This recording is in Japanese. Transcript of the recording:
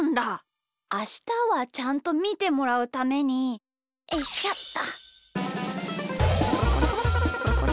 あしたはちゃんとみてもらうためにおいしょっと。